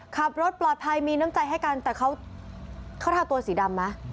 ขับรถปลอดภัยมีน้ำใจให้กันแต่เขาทาตัวสีดำไหม